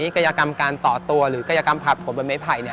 กายกรรมการต่อตัวหรือกายกรรมผลัดผลบนไม้ไผ่